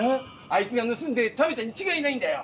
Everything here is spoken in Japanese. あいつがぬすんでたべたにちがいないんだよ！